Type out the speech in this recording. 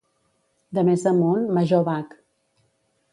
De més amunt, major bac.